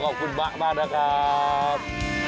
ขอบคุณมากนะครับ